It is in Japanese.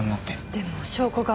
でも証拠が。